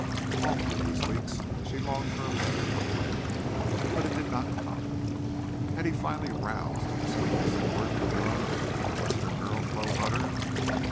All through these weeks she longed for a letter from Glenn. But it did not come. Had he finally roused to the sweetness and worth and love of the western girl, Flo Hutter?